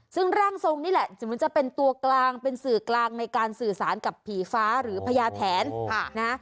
ซึ่งร่างทรงนี่แหละสมมุติจะเป็นตัวกลางเป็นสื่อกลางในการสื่อสารกับผีฟ้าหรือพญาแถนนะ